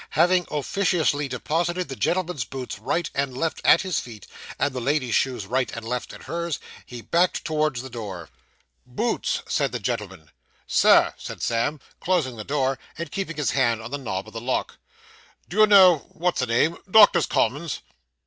Having officiously deposited the gentleman's boots right and left at his feet, and the lady's shoes right and left at hers, he backed towards the door. 'Boots,' said the gentleman. 'Sir,' said Sam, closing the door, and keeping his hand on the knob of the lock. 'Do you know what's a name Doctors' Commons?